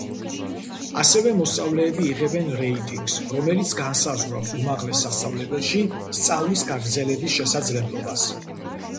ასევე მოსწავლეები იღებენ რეიტინგს, რომელიც განსაზღვრავს უმაღლეს სასწავლებელში სწავლის გაგრძელების შესაძლებლობას.